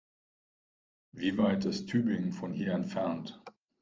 Wie weit ist Tübingen von hier entfernt?